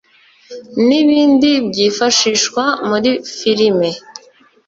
n’ibindi byifashishwa muri filime